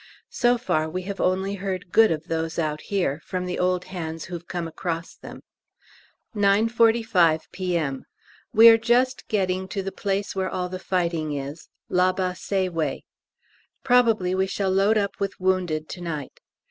So far we have only heard good of those out here, from the old hands who've come across them. 9.45 P.M. We are just getting to the place where all the fighting is La Bassée way. Probably we shall load up with wounded to night.